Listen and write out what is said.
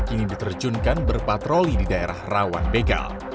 ingin diterjunkan berpatroli di daerah rawan begal